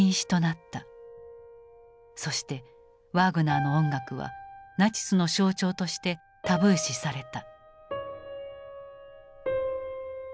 そしてワーグナーの音楽はナチスの象徴としてタブー視された。